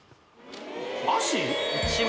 足？